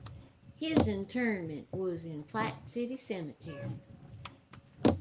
His interment was in Platte City Cemetery.